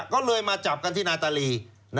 ก็เลยมาจับกันที่นาตาลี